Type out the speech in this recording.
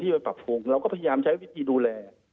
ไปปรับปรุงเราก็พยายามใช้วิธีดูแล